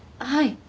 はい。